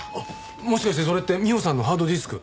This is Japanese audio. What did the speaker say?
もしかしてそれって美緒さんのハードディスク？